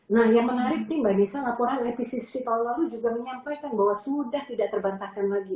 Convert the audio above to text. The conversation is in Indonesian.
nah yang menarik nih mbak nisa laporan lepcc tahun lalu juga menyampaikan bahwa sudah tidak terbantahkan lagi